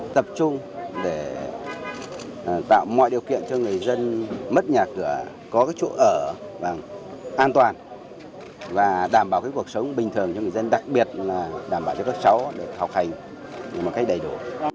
tập trung để tạo mọi điều kiện cho người dân mất nhà cửa có chỗ ở an toàn và đảm bảo cuộc sống bình thường cho người dân đặc biệt là đảm bảo cho các cháu được học hành một cách đầy đủ